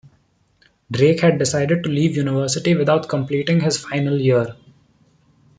Drake had decided to leave university without completing his final year.